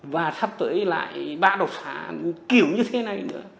và sắp tới lại ba đột phá kiểu như thế này nữa